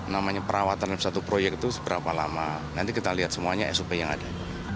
namanya perawatan satu proyek itu berapa lama nanti kita lihat semuanya sop yang ada